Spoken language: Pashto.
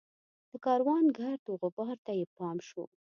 د کاروان ګرد وغبار ته یې پام شو.